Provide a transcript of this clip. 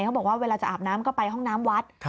เขาบอกว่าเวลาจะอาบน้ำก็ไปห้องน้ำวัด